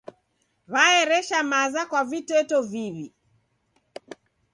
W'aeresha maza kwa viteto viw'i.